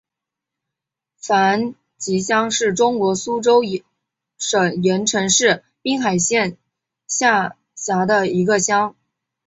樊集乡是中国江苏省盐城市滨海县下辖的一个乡。